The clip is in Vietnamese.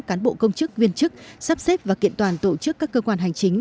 cán bộ công chức viên chức sắp xếp và kiện toàn tổ chức các cơ quan hành chính